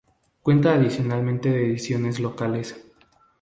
Cuenta adicionalmente de ediciones locales.